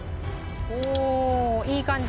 おおいい感じ。